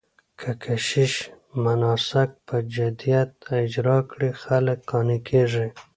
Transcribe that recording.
که کشیش مناسک په جديت اجرا کړي، خلک قانع کېږي.